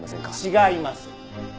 違います。